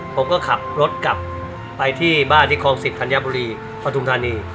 ผมก็ขับรถกลับไปที่บ้านที่คลอง๑๐ธัญบุรีปฐุมธานี